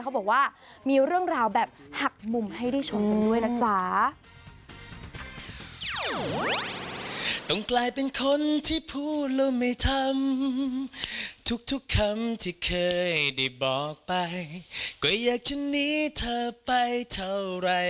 เขาบอกว่ามีเรื่องราวแบบหักมุมให้ได้ชมกันด้วยนะจ๊ะ